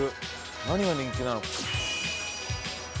何が人気なの？